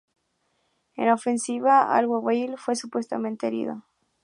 En la ofensiva, al-Ghawil fue supuestamente herido.